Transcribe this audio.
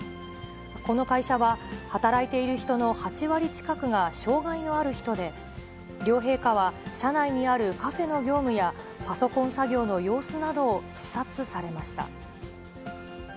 この会社は、働いている人の８割近くが障がいのある人で、両陛下は、社内にあるカフェの業務やパソコン作業の様子などを視察されました。